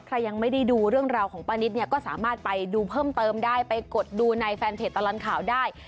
ใครยังไม่ได้ดูเรื่องราวของป้านิตเนี่ยก็สามารถไปดูเพิ่มเติมได้ไปกดดูในแฟนเพจตลอดข่าวได้